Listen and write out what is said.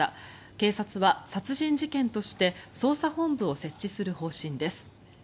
警察は殺人事件として捜査本部を設置する方針です。